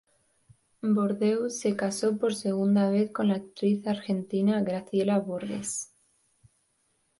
Bordeu se casó por segunda vez con la actriz argentina Graciela Borges.